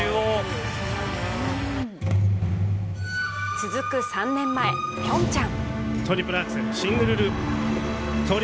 続く３年前、ピョンチャン。